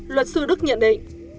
luật sư đức nhận định